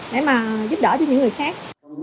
để mà giúp đỡ cho những người khác